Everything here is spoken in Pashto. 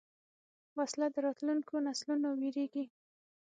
وسله د راتلونکو نسلونو وېرېږي